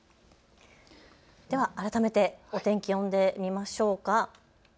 では改めてお天気、呼んでみましょうか。